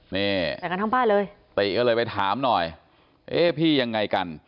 นี่ใส่กันทั้งบ้านเลยติก็เลยไปถามหน่อยเอ๊ะพี่ยังไงกัน